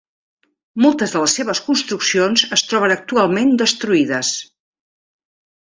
Moltes de les seves construccions es troben actualment destruïdes.